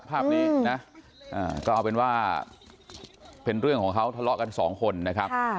ภาพนี้นะก็เอาเป็นว่าเป็นเรื่องของเขาทะเลาะกันสองคนนะครับ